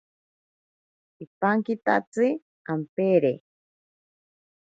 Ipankitatsi ampeere.